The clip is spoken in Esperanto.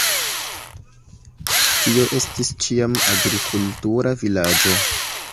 Tio estis ĉiam agrikultura vilaĝo.